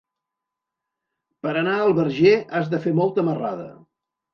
Per anar al Verger has de fer molta marrada.